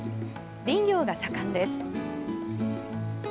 林業が盛んです。